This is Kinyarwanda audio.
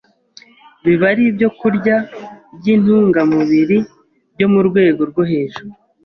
biba ari ibyokurya by’intungamubiri byo mu rwego rwo hejuru.